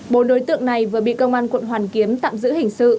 bốn đối tượng này vừa bị công an quận hoàn kiếm tạm giữ hình sự